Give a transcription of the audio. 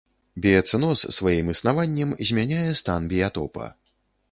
Біяцэноз сваім існаваннем змяняе стан біятопа.